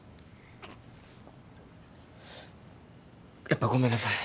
やっぱごめんなさい。